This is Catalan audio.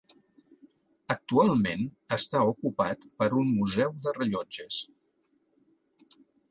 Actualment està ocupat per un Museu de rellotges.